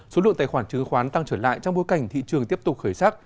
số lượng tài khoản chứng khoán tăng trở lại trong bối cảnh thị trường tiếp tục khởi sắc